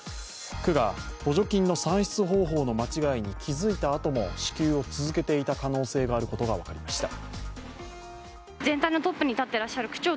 区が補助金の算出方法の間違いに気付いたあとも支給を続けていた可能性があることが分かりました。